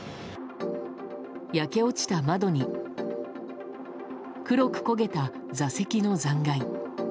焼け落ちた窓に黒く焦げた座席の残骸。